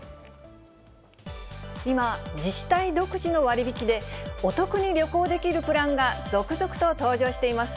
今、自治体独自の割引で、お得に旅行できるプランが続々と登場しています。